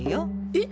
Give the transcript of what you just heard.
えっ